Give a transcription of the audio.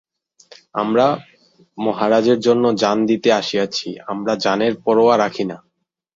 আমরা মহারাজের জন্য জান দিতে আসিয়াছি–আমরা জানের পরোয়া রাখি না।